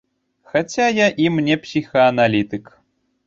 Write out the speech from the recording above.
Хаця я ім не псіхааналітык.